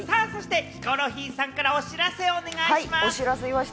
ヒコロヒーさんからお知らせお願いします。